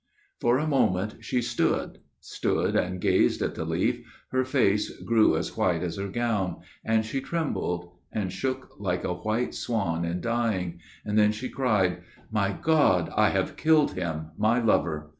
For a moment she stood; stood, and gazed at the leaf, Her face grew as white as her gown, and she trembled And shook like a white swan in dying, then she cried, "My God, I have killed him, my lover!"